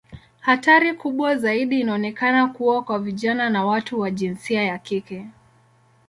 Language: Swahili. Hatari kubwa zaidi inaonekana kuwa kwa vijana na watu wa jinsia ya kike.